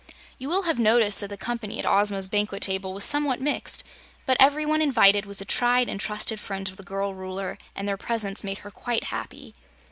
You will have noticed that the company at Ozma's banquet table was somewhat mixed, but every one invited was a tried and trusted friend of the girl Ruler, and their presence made her quite happy.